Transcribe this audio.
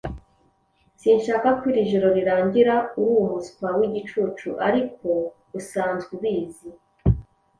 Sinshaka ko iri joro rirangira Urumuswa wigicucu, ariko usanzwe ubizi